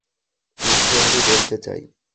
কিন্তু আমি বলতে চাই।